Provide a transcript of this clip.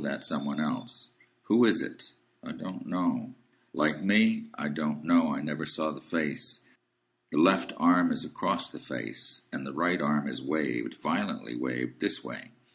That some one else." "Who is it?" "I don't know." "Like me?" "I don't know. I never saw the face. The left arm is across the face, and the right arm is waved,—violently waved. This way."